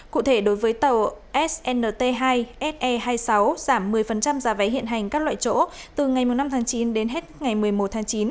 cụ thể đối với tàu snt hai se hai mươi sáu giảm một mươi giá vé hiện hành các loại chỗ từ ngày năm tháng chín đến hết ngày một mươi một tháng chín